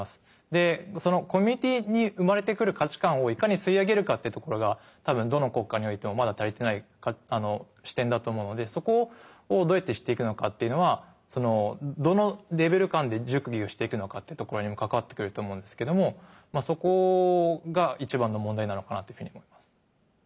でそのコミュニティーに生まれてくる価値観をいかに吸い上げるかってところが多分どの国家においてもまだ足りてない視点だと思うのでそこをどうやってしていくのかっていうのはそのどのレベル間で熟議をしていくのかってところにも関わってくると思うんですけどもそこが一番の問題なのかなっていうふうに思います。